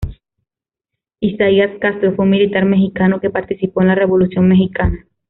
Isaías Castro fue un militar mexicano que participó en la Revolución mexicana.